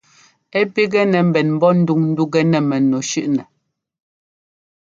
Ɛ́ pigɛnɛ́ ḿbɛn ḿbɔ́ ndúŋ ńdúkɛ nɛ mɛnu shʉ́ꞌnɛ.